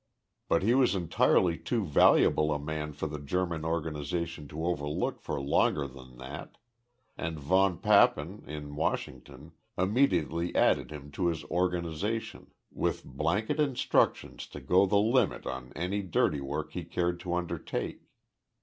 But he was entirely too valuable a man for the German organization to overlook for longer than that, and von Papen, in Washington, immediately added him to his organization with blanket instructions to go the limit on any dirty work he cared to undertake.